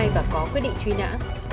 và có quyết định truy nã